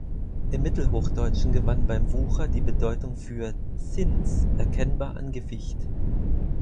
Im Mittelhochdeutschen gewann beim Wucher die Bedeutung für „Zins“ erkennbar an Gewicht.